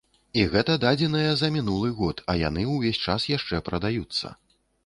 І гэта дадзеныя за мінулы год, а яны ўвесь час яшчэ прадаюцца.